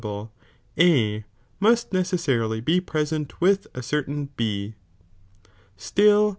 <ible A must necessarily be present with a certain B. Still